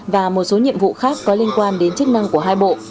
và một số nhiệm vụ khác có liên quan đến chức năng của hai bộ